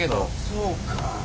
そうかあ。